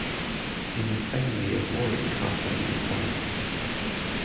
In the same year Warwick Castle was acquired.